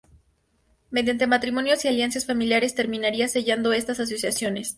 Mediante matrimonios y alianzas familiares terminaría sellando estas asociaciones.